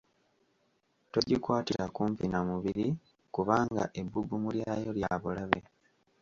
Togikwatira kumpi na mubiri kubanga ebbugumu lyayo lya bulabe.